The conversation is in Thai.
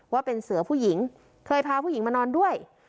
ว่าเป็นเสือผู้หญิงเคยพาผู้หญิงมานอนด้วย